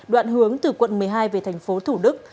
đoạn hướng từ quận một mươi hai về thành phố thủ đức